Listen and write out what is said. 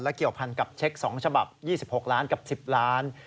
เกี่ยวพันกับเช็ค๒ฉบับ๒๖ล้านกับ๑๐ล้าน